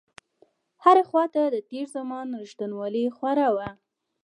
هره خواته د تېر زمان رښتينولۍ خوره وه.